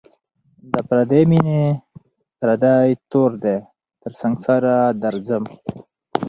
د پردۍ میني پردی تور دی تر سنگساره درځم